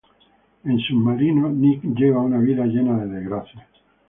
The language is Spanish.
En "Submarino", Nick lleva una vida llena de desgracias.